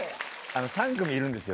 ３組いるんですよ